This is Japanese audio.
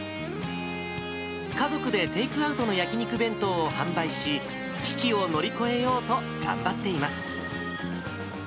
家族でテイクアウトの焼き肉弁当を販売し、危機を乗り越えようと頑張っています。